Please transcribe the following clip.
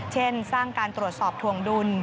เช่นสร้างการตรวจสอบถวงดุล